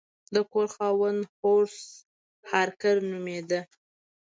د کور خاوند هورس هارکر نومیده.